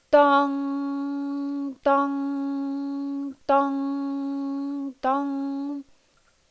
Dong! Dong! Dong! Dong!